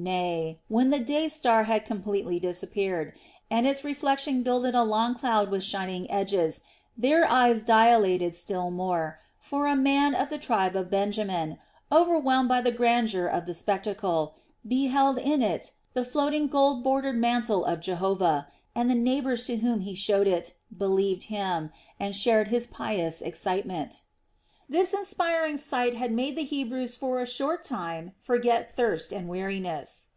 Nay, when the day star had completely disappeared, and its reflection gilded a long cloud with shining edges, their eyes dilated still more, for a man of the tribe of Benjamin, overwhelmed by the grandeur of the spectacle, beheld in it the floating gold bordered mantle of Jehovah, and the neighbors to whom he showed it, believed him, and shared his pious excitement. This inspiring sight had made the Hebrews for a short time forget thirst and weariness.